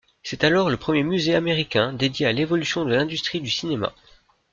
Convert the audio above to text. C'est alors le premier musée américain dédié à l'évolution de l'industrie du cinéma.